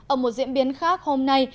ở một diễn biến khác hôm nay